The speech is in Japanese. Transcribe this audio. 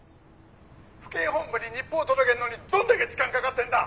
「府警本部に日報届けんのにどんだけ時間かかってんだ！